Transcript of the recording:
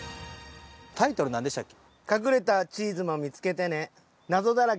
タイトル何でしたっけ？